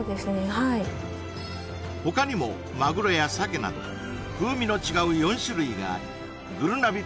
はい他にもまぐろやさけなど風味の違う４種類がありぐるなび